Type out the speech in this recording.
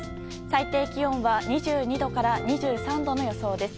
最低気温は２２度から２３度の予想です。